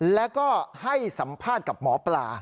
แล้วก็ให้สัมภาษณ์กับหมอปลา